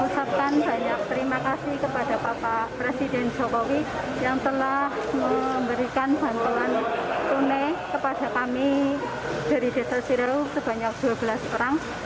ucapkan banyak terima kasih kepada bapak presiden jokowi yang telah memberikan bantuan tunai kepada kami dari desa sirau sebanyak dua belas orang